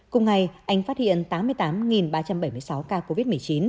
cùng ngày anh phát hiện tám mươi tám ba trăm bảy mươi sáu ca covid một mươi chín